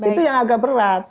itu yang agak berat